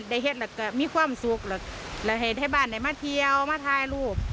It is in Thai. ในฮิชล่ะก็มีความสุขหรือให้ทายบ้านได้มาเที่ยวมาถ่ายรูป